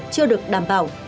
chưa được đảm bảo